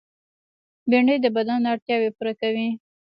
بېنډۍ د بدن اړتیاوې پوره کوي